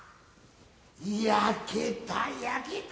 焼けた焼けた。